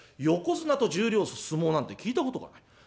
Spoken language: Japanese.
横綱と十両で相撲なんて聞いたことがない。